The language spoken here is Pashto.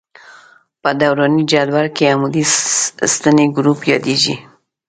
په دوراني جدول کې عمودي ستنې ګروپ یادیږي.